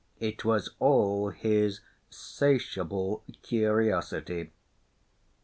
It was all his 'satiable curtiosity.